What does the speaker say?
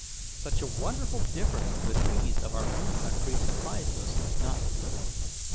Such a wonderful difference from the trees of our own country surprised us not a little.